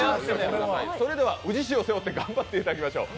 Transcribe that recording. それでは宇治市を背負って頑張っていただきましょう。